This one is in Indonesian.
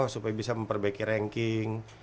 supaya bisa memperbaiki ranking